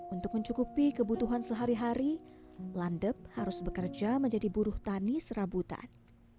untuk mencukupi kebutuhan sehari hari landep harus bekerja menjadi buruh tani serabutan